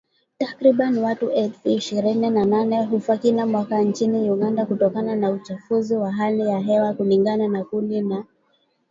Takriban watu elfu ishirini na nane hufa kila mwaka nchini Uganda kutokana na uchafuzi wa hali ya hewa kulingana na kundi la